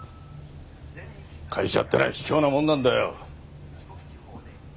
会社ってのは卑怯なもんなんだよ。